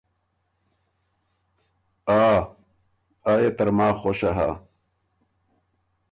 ”آ، آ يې ترماخ خؤشه هۀ“